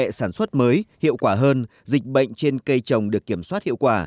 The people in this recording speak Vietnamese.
nghệ sản xuất mới hiệu quả hơn dịch bệnh trên cây trồng được kiểm soát hiệu quả